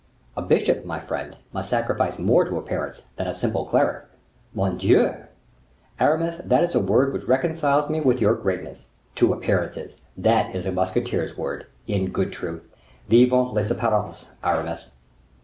"A bishop, my friend, must sacrifice more to appearance than a simple cleric." "Mordioux! Aramis, that is a word which reconciles me with your greatness. To appearances! That is a musketeer's word, in good truth! Vivent les apparences, Aramis!"